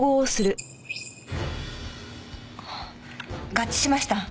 合致しました。